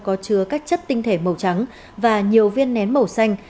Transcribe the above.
có chứa các chất tinh thể màu trắng và nhiều viên nén màu xanh